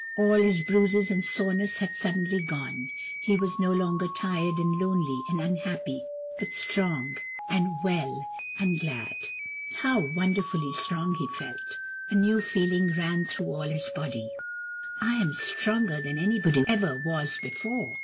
All his bruises and soreness had suddenly gone ; he was no longer tired and lonely and un happy, but strong and well and glad. How wonder fully strong he felt ! A new feeling ran through all his body. " I am stronger than anybody ever was before